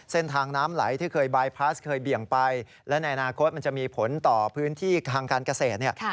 น้ำไหลที่เคยบายพลาสเคยเบี่ยงไปและในอนาคตมันจะมีผลต่อพื้นที่ทางการเกษตรเนี่ย